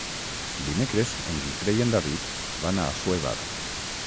Dimecres en Guifré i en David van a Assuévar.